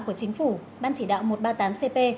của chính phủ ban chỉ đạo một trăm ba mươi tám cp